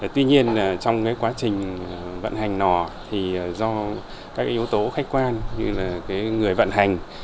tuy nhiên trong quá trình vận hành nò do các yếu tố khách quan như người vận hành